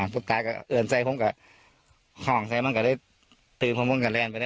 สุดท้ายก็เอิญใจผมก็ห่องใส่มันก็ได้ตื่นผมผมก็แรนไปแล้ว